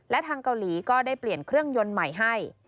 และทางเกาหลีก็ได้เปลี่ยนเครื่องยนต์ใหม่ให้